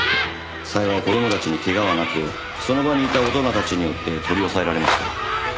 幸い子供たちに怪我はなくその場にいた大人たちによって取り押さえられました。